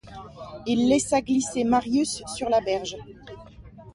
Il laissa glisser Marius sur la berge.